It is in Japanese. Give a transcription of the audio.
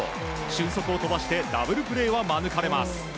俊足を飛ばしてダブルプレーは免れます。